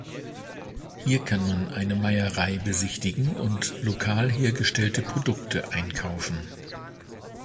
Hier kann man eine Meierei besichtigen und lokal hergestellte Produkte einkaufen.